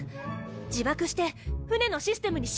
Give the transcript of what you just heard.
自爆して船のシステムに侵入するの。